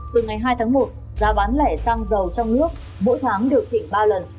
từ ngày hai tháng một giá bán lẻ xăng dầu trong nước mỗi tháng điều chỉnh ba lần